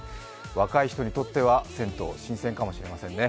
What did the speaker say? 若い人にとっては銭湯、新鮮かもしれないですね。